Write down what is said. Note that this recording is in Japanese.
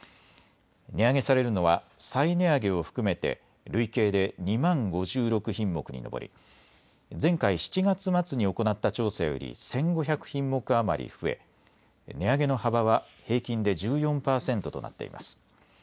値上げされるのは再値上げを含めて累計で２万５６品目に上り、前回７月末に行った調査より１５００品目余り増え、値上げの幅は平均で１４％となっています。